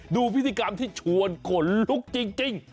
ดูพิธีกรรมที่ชวนขนลุกจริง